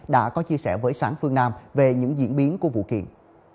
đã có chia sẻ với sản phương nam về những diễn biến của vụ kiện